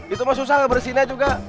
itu mah susah gak bersihinnya juga